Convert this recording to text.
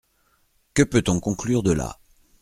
Que peut-on conclure de là ?